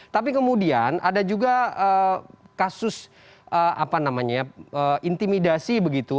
tapi kemudian ada juga kasus intimidasi begitu